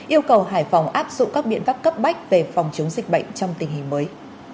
yêu cầu hải phòng áp dụng các biện pháp cấp bách về phòng chống dịch bệnh trong tình hình mới